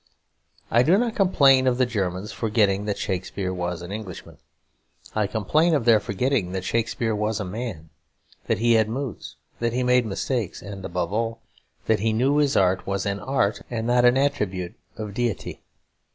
I do not complain of the Germans forgetting that Shakespeare was an Englishman. I complain of their forgetting that Shakespeare was a man; that he had moods, that he made mistakes, and, above all, that he knew his art was an art and not an attribute of deity.